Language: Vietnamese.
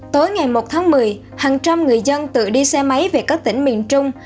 tối ngày một tháng một mươi hàng trăm người dân tự đi xe máy về các tỉnh miền trung